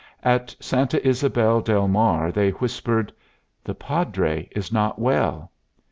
At Santa Ysabel del Mar they whispered, "The Padre is not well."